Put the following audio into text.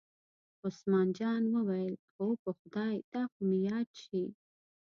عثمان جان وویل: هو په خدای دا خو مې یاد شي.